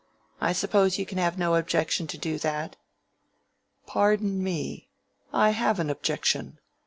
I suppose you can have no objection to do that." "Pardon me. I have an objection.